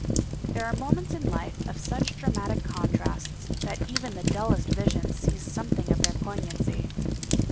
There are moments in life of such dramatic contrasts that even the dullest vision sees something of their poignancy.